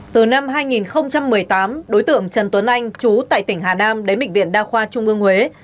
từ năm hai nghìn một mươi tám đối tượng trần tuấn anh chú tại tỉnh hà nam đến bệnh viện đa khoa trung ương huế